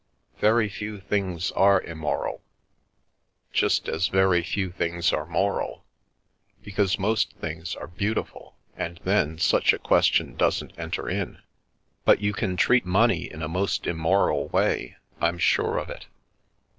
Very few things are immoral, just as very few things are moral, because most things are beautiful, and then such a ques _ o Mostly on Food and Money tion doesn't enter in. But you can treat money in a most immoral way; I'm sure of it."